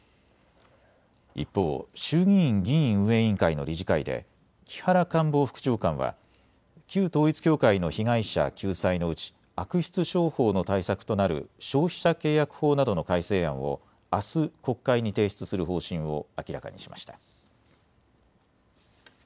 一方、衆議院議院運営委員会の理事会で木原官房副長官は旧統一教会の被害者救済のうち悪質商法の対策となる消費者契約法などの改正案をあす、国会に提出する方針を明らかにしました。